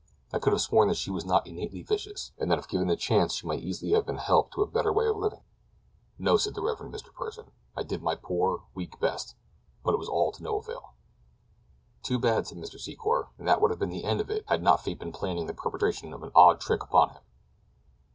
I could have sworn that she was not innately vicious, and that if given a chance she might easily have been helped to a better way of living." "No," said the Rev. Mr. Pursen; "I did my poor, weak best; but it was all to no avail." "Too bad," said Mr. Secor, and that would have been the end of it had not fate been planning the perpetration of an odd trick upon him.